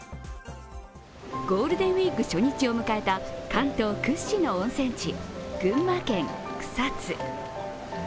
ゴールデンウイーク初日を迎えた関東屈指の温泉地、群馬県・草津。